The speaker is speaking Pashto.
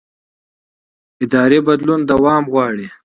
اداري بدلون دوام غواړي